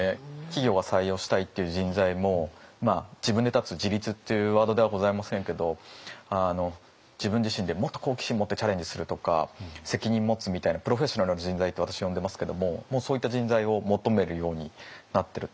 企業が採用したいっていう人材も自分で立つ自立っていうワードではございませんけど自分自身でもっと好奇心持ってチャレンジするとか責任持つみたいなプロフェッショナルな人材って私は呼んでますけどもそういった人材を求めるようになってると思います。